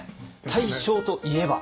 大正といえば？